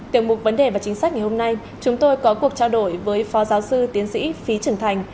tiểu mục vấn đề và chính sách ngày hôm nay chúng tôi có cuộc trao đổi với phó giáo sư tiến sĩ phí trưởng thành